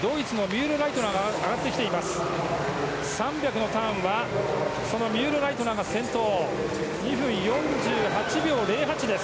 ３００のターンはミュールライトナーが先頭で２分４８秒０８です。